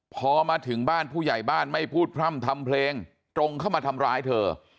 พอมาถึงบ้านผู้ใหญ่บ้านไม่พูดพร่ำทำเพลงตรงเข้ามาทำร้ายเธอ